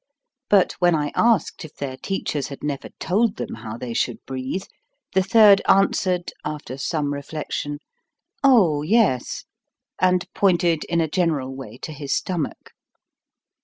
But when I asked if their teachers had never told them how they should breathe, the third answered, after some reflection, "Oh, yes !" and pointed in a general way to his stomach.